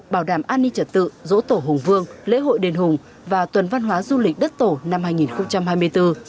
bảo đảm an ninh trật tự dỗ tổ hùng vương lễ hội đền hùng và tuần văn hóa du lịch đất tổ năm hai nghìn hai mươi bốn